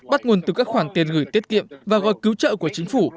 bắt nguồn từ các khoản tiền gửi tiết kiệm và gọi cứu trợ của chính phủ